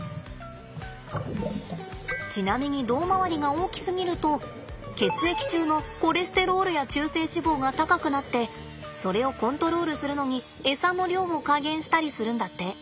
因みに胴回りが大きすぎると血液中のコレステロールや中性脂肪が高くなってそれをコントロールするのにエサの量を加減したりするんだって。